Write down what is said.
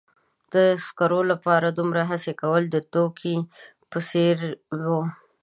د سکرو لپاره دومره هڅې کول د ټوکې په څیر و.